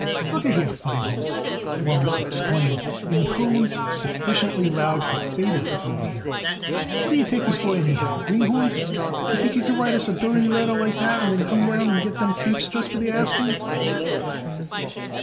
"Look a here, Feinholz," Morris exclaimed in tones sufficiently loud for Feder to overhear, "what d'ye take us for, anyhow? Greenhorns? Do you think you can write us a dirty letter like that and then come down and get them capes just for the asking?"